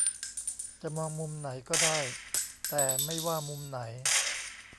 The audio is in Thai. จะมองมุมไหนก็ได้ แต่ไม่ว่ามุมไหน